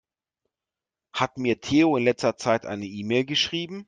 Hat mir Theo in letzter Zeit eine E-Mail geschrieben?